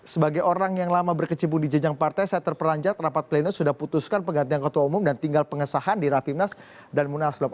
sebagai orang yang lama berkecimpung di jenjang partai saya terperanjat rapat pleno sudah putuskan penggantian ketua umum dan tinggal pengesahan di rapimnas dan munaslup